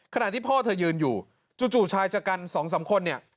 ที่พ่อเธอยืนอยู่จู่ชายชะกัน๒๓คนเนี่ย